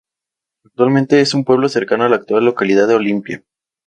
Actualmente es un pueblo cercano a la actual localidad de Olimpia.